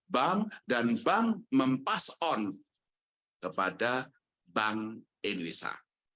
bank dan bank mempass on kepada bank indonesia